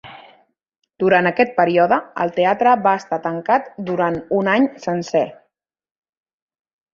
Durant aquest període, el teatre va estar tancat durant un any sencer.